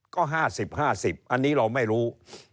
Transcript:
ก็๕๐๕๐อันนี้เราไม่รู้